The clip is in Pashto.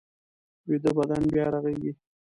ویده بدن بیا رغېږي